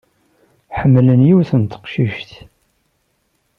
Ḥemmlen yiwet n teqcict.